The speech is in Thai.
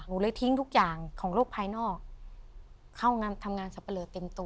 หนูเลยทิ้งทุกอย่างของโลกภายนอกเค้าทำงานสับเปล่าเต็มตัว